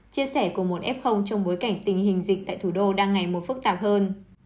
chia sẻ của một f trong bối cảnh tình hình dịch tại thủ đô đang ngày một phức tạp hơn